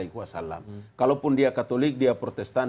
kalaupun dia katolik dia protestan